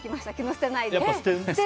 捨てないで。